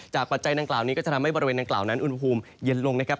ปัจจัยดังกล่าวนี้ก็จะทำให้บริเวณดังกล่าวนั้นอุณหภูมิเย็นลงนะครับ